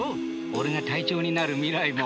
俺が隊長になる未来も。